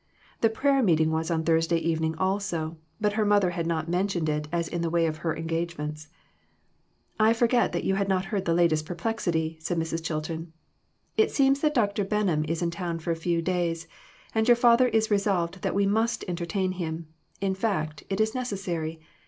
The prayer meeting was on Thursday evening also, but her mother had not mentioned it as in the way of her engagements. "I forget that you had not heard the latest perplexity," said Mrs. Chilton. "It seems that Dr. Benham is in town for a few days, and your father is resolved that we must entertain him ; in fact, it is necessary.